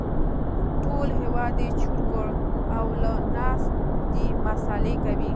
ټول هېواد يې چور کړ او لا ناست دی مسالې کوي